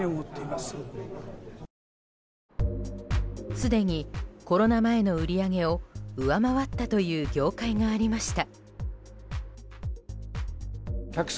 すでにコロナ前の売り上げを上回ったという業界がありました。